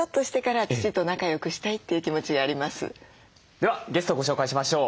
ではゲストをご紹介しましょう。